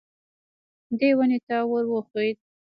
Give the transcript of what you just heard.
دی ونې ته ور وښوېد.